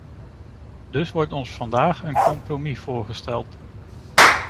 Dus wordt ons vandaag een compromis voorgesteld.